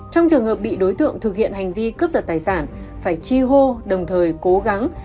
trong trường hợp bị đối tượng thực hiện hành vi cướp giật tài sản phải chi hô đồng thời cố gắng